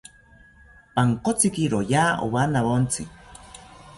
Pankotziki roya owanawontzi